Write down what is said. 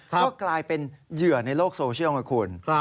ก็กลายเป็นเหยื่อในโลกโซเชียลไงคุณ